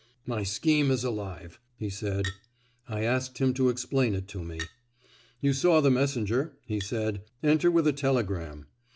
"My scheme is alive," he said. I asked him to explain it to me. "You saw the messenger," he said, "enter with a telegram.